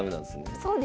そうですね。